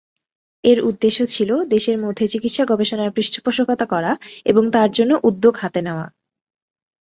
এর উদ্দেশ্য ছিল দেশের মধ্যে চিকিৎসা-গবেষণার পৃষ্ঠপোষকতা করা আর তার জন্য উদ্যোগ হাতে নেওয়া।